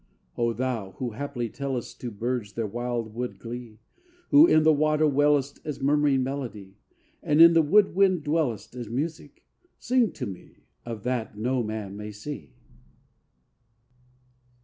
V O thou, who, haply, tellest To birds their wild wood glee; Who in the water wellest As murmuring melody; And in the wood wind dwellest As music, sing to me Of that no man may see!